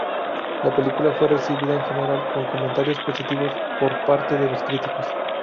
La película fue recibida en general con comentarios positivos por parte de los críticos.